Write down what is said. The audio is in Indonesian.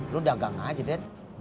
lu dagang aja den